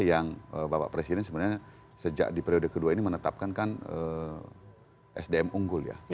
yang bapak presiden sebenarnya sejak di periode kedua ini menetapkan kan sdm unggul ya